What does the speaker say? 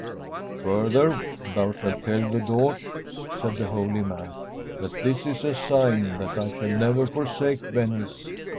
' Further, thou shalt tell the Doge/ said the holy man, ' that this is a sign that I shall never forsake Venice.